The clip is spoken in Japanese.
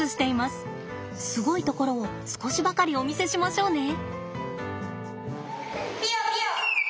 すごいところを少しばかりお見せしましょうね。